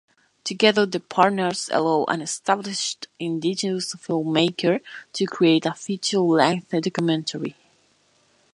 Together the partners allow an established Indigenous filmmaker to create a feature-length documentary.